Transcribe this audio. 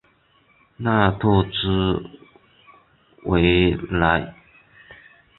纳特兹维莱。